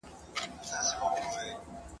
له وړو او سترو لویو نهنګانو !.